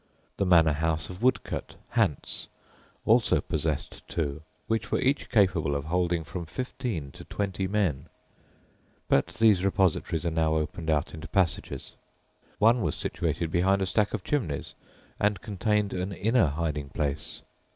The manor house of Woodcote, Hants, also possessed two, which were each capable of holding from fifteen to twenty men, but these repositories are now opened out into passages. One was situated behind a stack of chimneys, and contained an inner hiding place.